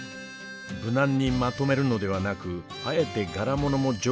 無難にまとめるのではなくあえて柄物も上手に組み合わせ